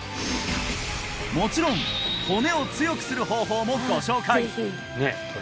もちろん骨を強くする方法もご紹介！